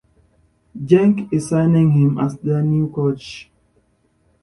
Genk in signing him as their new coach.